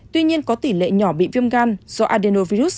tuy nhiên có tỷ lệ nhỏ bị viêm gan do adenovirus